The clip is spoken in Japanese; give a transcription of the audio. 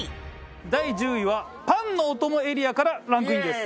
第１０位はパンのお供エリアからランクインです。